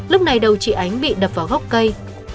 lúc này đầu chị ánh bị đập vào góc cây